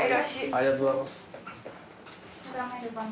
ありがとうございます。